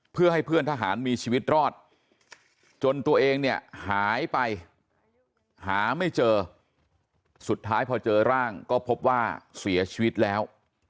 เพื่อให้เพื่อนทหารมีชีวิตรอดจนตัวเองเนี่ยหายไปหาไม่เจอสุดท้ายพอเจอร่างก็พบว่าเสียชีวิตแล้ว